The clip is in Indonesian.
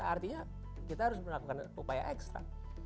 artinya kita harus melakukan upaya ekstra